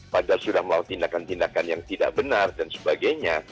padahal sudah melakukan tindakan tindakan yang tidak benar dan sebagainya